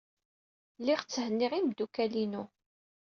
Lliɣ tthenniɣ imeddukal-inu.